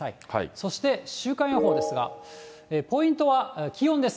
そして週間予報ですが、ポイントは気温です。